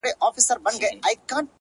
• سترگي دي ژوند نه اخلي مرگ اخلي اوس ـ